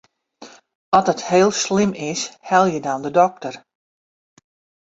As it heel slim is, helje dan in dokter.